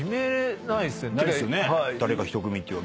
誰か１組っていうわけにはね。